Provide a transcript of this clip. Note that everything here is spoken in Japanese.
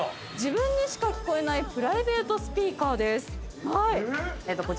自分にしか聞こえないプライベートスピーカーです。